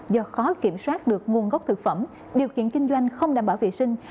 do khó kiểm soát được nguồn gốc thực phẩm điều kiện kinh doanh không đảm bảo vệ sinh